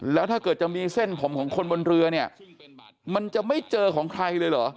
แล้วถ้าเกิดจะมีเส้นผมของคนบนเรือเนี่ยมันจะไม่เจอของใครเลยเหรอ